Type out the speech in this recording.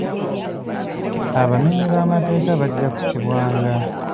Abamenyi b'amateeka bajja kusibwanga.